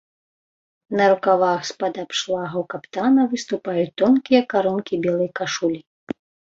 На рукавах з-пад абшлагаў каптана выступаюць тонкія карункі белай кашулі.